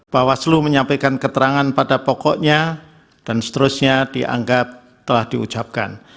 bawaslu menyampaikan keterangan pada pokoknya dan seterusnya dianggap telah diucapkan